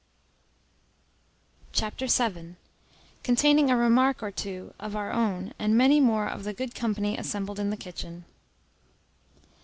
Chapter vii. Containing a remark or two of our own and many more of the good company assembled in the kitchen.